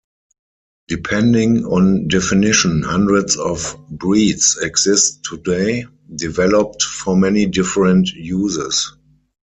Depending on definition, hundreds of "breeds" exist today, developed for many different uses.